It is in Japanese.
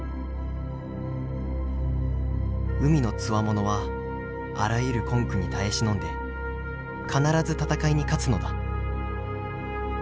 海のつわものはあらゆる困苦に堪え忍んで必ず戦いに勝つのだ」。